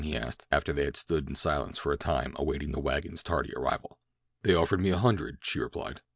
he asked, after they had stood in silence for a time awaiting the wagon's tardy arrival. "They offered me a hundred," she replied.